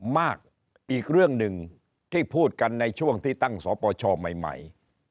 มากอีกเรื่องหนึ่งที่พูดกันในช่วงที่ตั้งสปชใหม่